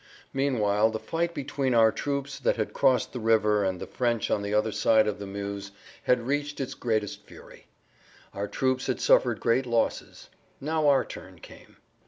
Meanwhile the fight between our troops that had crossed the river and the French on the other side of the Meuse had reached its greatest fury. Our troops had suffered great losses; now our turn came.